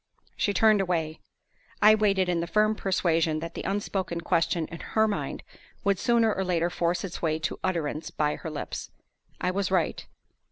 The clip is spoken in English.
She turned away. I waited, in the firm persuasion that the unspoken question in her mind would sooner or later force its way to utterance by her lips. I was right.